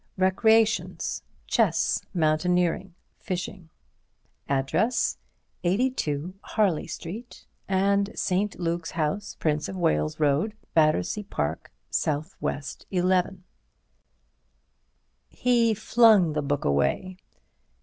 Recreations: Chess, Mountaineering, Fishing. Address: 82, Harley Street and St. Luke's House, Prince of Wales Road, Battersea Park, S.W. 11." He flung the book away.